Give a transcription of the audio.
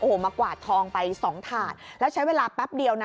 โอ้โหมากวาดทองไปสองถาดแล้วใช้เวลาแป๊บเดียวนะ